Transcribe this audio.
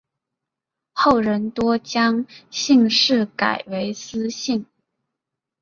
后人多将姓氏改为司姓。